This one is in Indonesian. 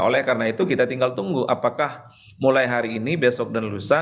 oleh karena itu kita tinggal tunggu apakah mulai hari ini besok dan lusa